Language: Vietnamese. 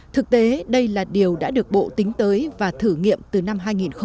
thực tế đây là điều đã được bộ tính tới và thử nghiệm từ năm hai nghìn một mươi năm